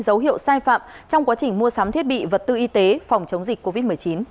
dấu hiệu sai phạm trong quá trình mua sắm thiết bị vật tư y tế phòng chống dịch covid một mươi chín